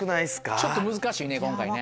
ちょっと難しいね今回ね。